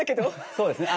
そうですね。